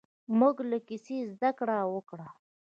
موږ له کیسې زده کړه وکړه.